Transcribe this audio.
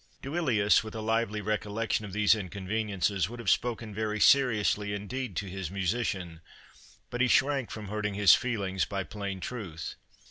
Duilius, with a lively recollection of these inconveniences, would have spoken very seriously indeed to his musician, but he shrank from hurting his feelings by plain truth.